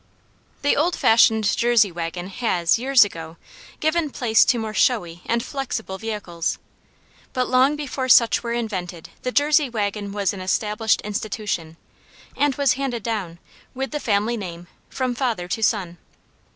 The old fashioned Jersey wagon has, years ago, given place to more showy and flexible vehicles; but long before such were invented the Jersey wagon was an established institution, and was handed down, with the family name, from father to son.